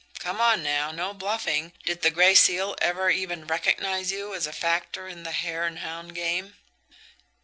Come on, now, no bluffing; did the Gray Seal ever even recognise you as a factor in the hare and hound game?"